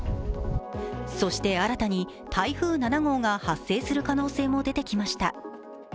そして新たに台風７号が発生する可能性も出てきました。